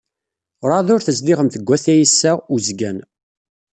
Werɛad ur tezdiɣemt deg At Ɛisa Uzgan.